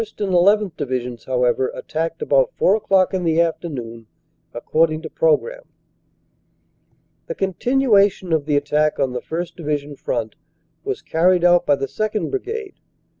and llth. Divisions, however, attacked about four o clock in the afternoon according to programme. "The continuation of the attack on the 1st. Division front was carried out by the 2nd. Brigade.